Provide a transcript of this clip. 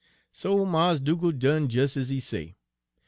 "So Mars' Dugal' done des ez he say.